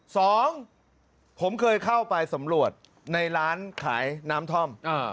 สองผมเคยเข้าไปสำรวจในร้านขายน้ำท่อม